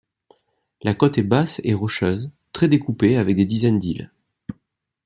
La côte est basse et rocheuse, très découpée avec des dizaines d'îles.